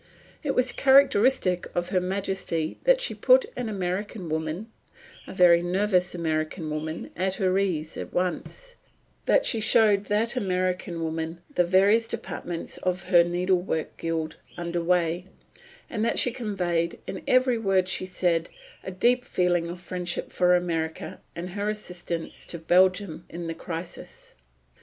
It was characteristic of Her Majesty that she put an American woman a very nervous American woman at her ease at once, that she showed that American woman the various departments of her Needlework Guild under way, and that she conveyed, in every word she said, a deep feeling of friendship for America and her assistance to Belgium in this crisis.